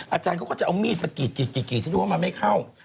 อาจารย์เขาก็จะเอามีดสกรีดที่ดูว่ามันไม่เข้า